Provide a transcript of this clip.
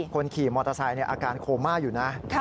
คนขี่มอเตอร์ไซค์อาการโคม่าอยู่นะ